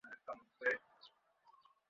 আমি কি তার পরিবর্তে অন্য ইলাহ্ গ্রহণ করব?